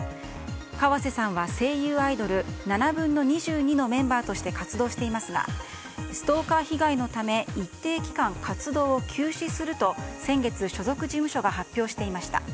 河瀬さんは、声優アイドル２２／７のメンバーとして活動していますがストーカー被害のため一定期間活動を休止すると先月、所属事務所が発表していました。